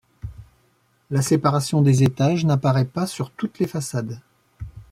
La séparation des étages n'apparaît pas sur toutes les façades.